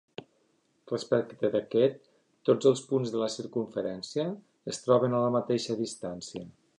Respecte d'aquest, tots els punts de la circumferència es troben a la mateixa distància.